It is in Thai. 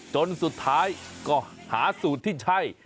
จนสุดท้ายก็หาสูตรที่ใช่